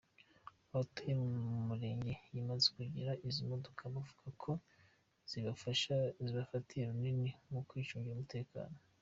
Abatuye mu Mirenge yamaze kugura izi modoka bavuga ko zibafatiye runini mu kwicungira umutekano.